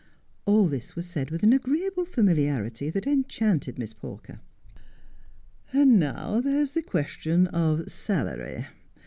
All this was said with an agreeable familiarity that enchanted Miss Pawker. ' And now there is the question of salary.